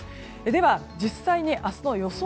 では実際に明日の予想